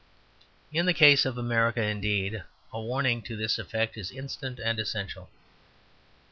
In the case of America, indeed, a warning to this effect is instant and essential.